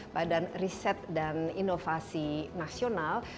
badan riset dan inovasi nasional